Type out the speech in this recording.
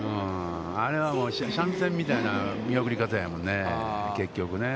あれはもう三味線みたいな見送り方やもんね結局ね。